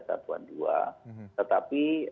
satuan ii tetapi